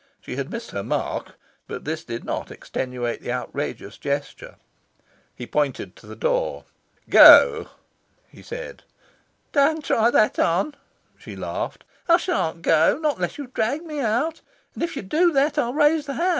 She had missed her mark. But this did not extenuate the outrageous gesture. He pointed to the door. "Go!" he said. "Don't try that on!" she laughed. "I shan't go not unless you drag me out. And if you do that, I'll raise the house.